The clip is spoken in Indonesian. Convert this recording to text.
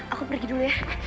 aku pergi dulu ya